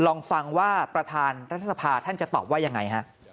ลองฟังว่าประธานรัฐสภาท่านจะตอบว่ายังไงฮะ